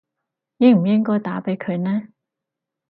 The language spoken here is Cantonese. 應唔應該打畀佢呢